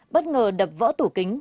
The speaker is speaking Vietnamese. bất ngờ đập vỡ tủ kính